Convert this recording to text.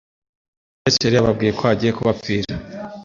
Yesu yari yababwiye ko agiye kubapfira,